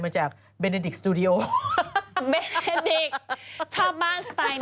มันจะมเปิดเหมือนสตูดิโอแล้วก็บอกว่ามีหลายมุมต่างนาน